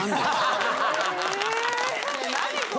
何これ。